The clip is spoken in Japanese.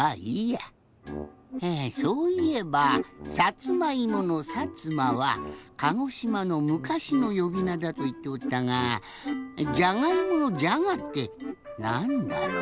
あそういえば「さつまいも」の「さつま」は鹿児島のむかしのよびなだといっておったが「じゃがいも」の「じゃが」ってなんだろう？